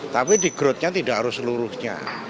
tapi di grudnya tidak harus seluruhnya